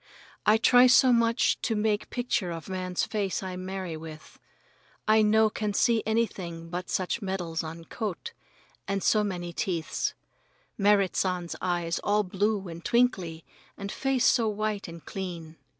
I try so much to make picture of man's face I marry with. I no can see anything but much medals on coat, and so many teeths. Merrit San's eyes all blue and twinkly, and face so white and clean.